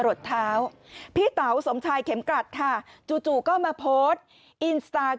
ดเท้าพี่เต๋าสมชายเข็มกรัดค่ะจู่จู่ก็มาโพสต์อินสตาร์